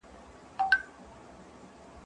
زه اوږده وخت لوبه کوم!.